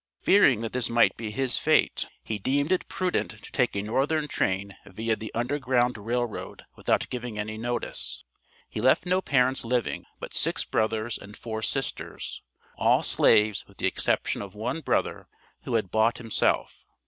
Fearing that this might be his fate, he deemed it prudent to take a northern train via the Underground Rail Road without giving any notice. He left no parents living, but six brothers and four sisters, all slaves with the exception of one brother who had bought himself.